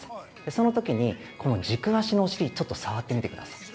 そのときに軸足のお尻、ちょっと触ってみてください。